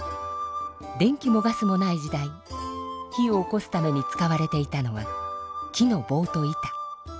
電気もガスもない時代火をおこすために使われていたのは木のぼうと板。